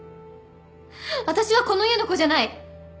私はこの家の子じゃない。